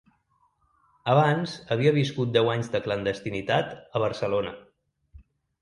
Abans havia viscut deu anys de clandestinitat a Barcelona.